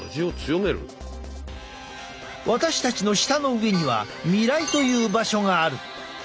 私たちの舌の上には味蕾という場所がある。